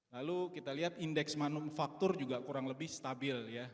lalu kita lihat indeks manufaktur juga kurang lebih stabil ya